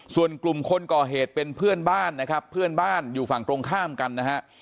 ส่วนกลุ่มคนก่อเหตุเป็นเพื่อนบ้านนะครับเพื่อนบ้านอยู่ฝั่งตรงข้ามกันนะฮะ